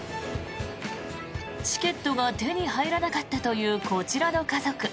チケットが手に入らなかったというこちらの家族。